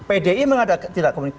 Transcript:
pdi memang tidak ada komunikasi